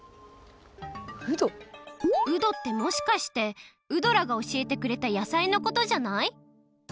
うどってもしかしてウドラがおしえてくれた野菜のことじゃない？